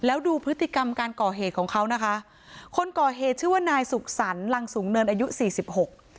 แล้วดูพฤติกรรมการก่อเหตุของเขานะคะคนก่อเหตุชื่อว่านายสุขสรรคลังสูงเนินอายุสี่สิบหก